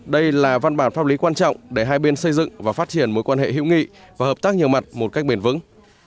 đây là văn bản pháp lý quan trọng để hai bên xây dựng và phát triển mối quan hệ hữu nghị và hợp tác nhiều mặt một cách bền vững